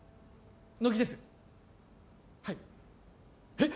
えっ